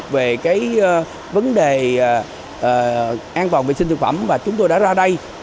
về cái vấn đề an toàn vệ sinh thực phẩm mà chúng tôi đã ra đây